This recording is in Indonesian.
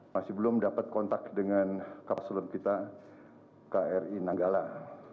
masih belum dapat kontak dengan kapaselum kita kri nanggalam